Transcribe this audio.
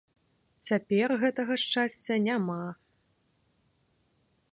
Цяпер гэтага шчасця няма.